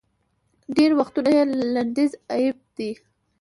ډېری وختونه یې لنډیز اېب دی